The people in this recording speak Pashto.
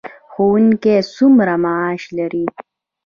ښوونکي څومره معاش لري؟